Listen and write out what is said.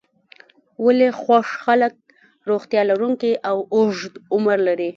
ولې خوښ خلک روغتیا لرونکی او اوږد عمر لري.